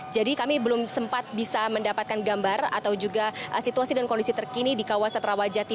jadi kami belum sempat bisa mendapatkan gambar atau juga situasi dan kondisi terkini di kawasan rawajati